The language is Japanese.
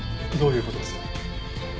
どういう事です？